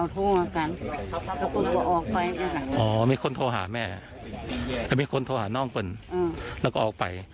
ทำไมมีคนโทรหานอกแล้วก็ไป